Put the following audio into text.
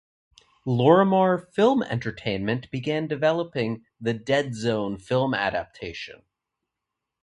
Lorimar Film Entertainment began developing "The Dead Zone" film adaptation.